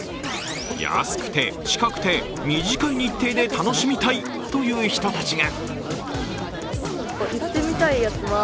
安くて、近くて、短い日程で楽しみたいという人たちが。